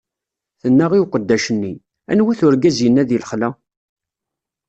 Tenna i uqeddac-nni: Anwa-t urgaz inna di lexla?